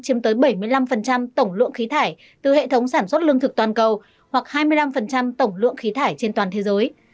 chiếm tới bảy mươi năm tổng lượng khí thải từ hệ thống sản xuất lương thực toàn cầu hoặc hai mươi năm tổng lượng khí thải trên toàn thế giới